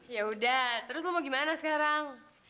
yaudah terus lu mau gimana sekarang